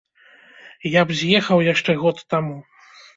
Я б з'ехаў яшчэ год таму.